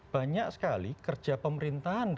banyak sekali kerja pemerintahan